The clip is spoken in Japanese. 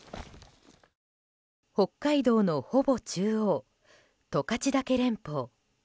北海道のほぼ中央、十勝岳連峰。